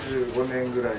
５年ぐらい。